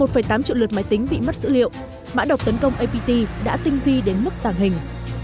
một tám triệu lượt máy tính bị mất dữ liệu mã độc tấn công apt đã tinh vi đến mức tàng hình